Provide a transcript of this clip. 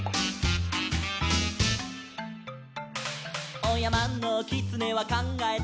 「おやまのきつねはかんがえた」